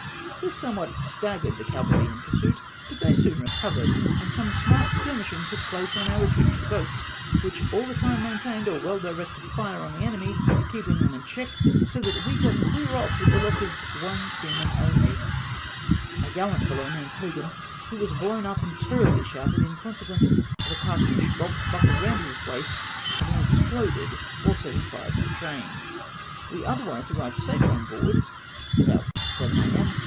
This somewhat staggered the cavalry in pursuit, but they soon recovered, and some smart skhmishing took place on our retreat to the boats, which all the time maintained a wefi directed fire on the enemy, keeping them in check, so that we got clear ofi* with the loss of one seaman only — a gaUant fellow named Hogan — who was blown up and terribly shattered, in consequence of a cartouch box buckled round his waist having ex ploded while setting fire to the trains. We otherwise arrived safe on board about 7 A.M.